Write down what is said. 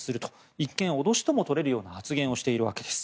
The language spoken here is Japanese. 一見、脅しとも取れるような発言をしているわけです。